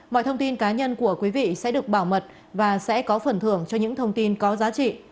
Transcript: mọi thông tin cá nhân của quý vị sẽ được bảo mật và sẽ có phần thưởng cho những thông tin có giá trị